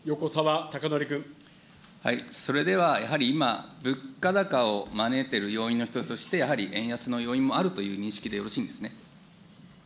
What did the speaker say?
それではやはり今、物価高を招いてる要因の一つとして、やはり円安の要因もあるという認識でよろしいんですね。